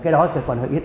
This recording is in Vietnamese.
cái đó còn hơi ít